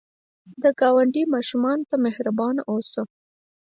د ګاونډي ماشومانو ته مهربان اوسه